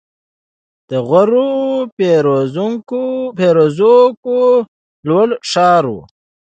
د غور فیروزکوه لوړ ښار و